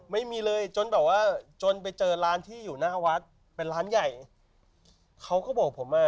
ไม่มีเลยจนแบบว่าจนไปเจอร้านที่อยู่หน้าวัดเป็นร้านใหญ่เขาก็บอกผมอ่ะ